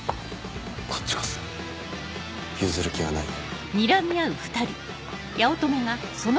こっちこそ譲る気はないよ。